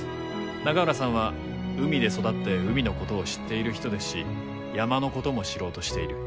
永浦さんは海で育って海のことを知っている人ですし山のことも知ろうとしている。